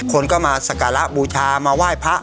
คนก็มาสการะบูชามาไหว้พระ